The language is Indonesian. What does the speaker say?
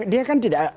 dia kan tidak